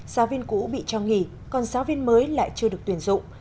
giáo viên cũ bị cho nghỉ còn giáo viên mới lại chưa được tuyển dụng